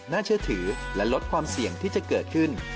น่าเชื่อถือและลดความเสี่ยงที่จะเกิดขึ้น